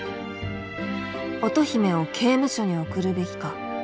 乙姫を刑務所に送るべきか。